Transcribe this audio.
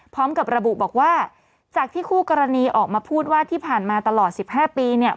พร้อมกับระบุบอกว่าจากที่คู่กรณีออกมาพูดว่าที่ผ่านมาตลอด๑๕ปีเนี่ย